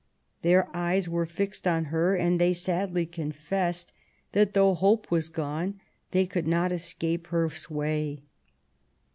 Their eyes were fixed on her, and they sadly confessed that though hope was gone they could not escape her sway.